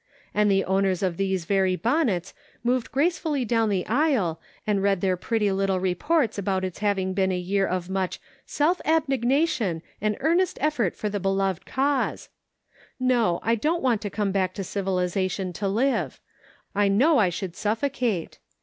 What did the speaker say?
And the owners of those very bonnets moved gracefully down the aisle, and read their pretty reports about its having been a year of much ' self abnegation and earnest effort for the beloved cause.' No, I don't want to come back to civilization to live ; I know I should suffocate.